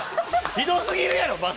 ひどすぎるやろ！